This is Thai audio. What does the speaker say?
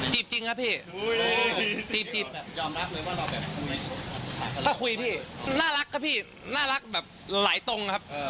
จริงครับพี่จีบแบบยอมรับเลยว่าเราแบบถ้าคุยพี่น่ารักครับพี่น่ารักแบบหลายตรงครับ